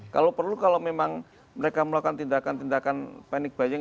kalau perlu kalau memang mereka melakukan tindakan tindakan panic buying